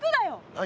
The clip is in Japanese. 何？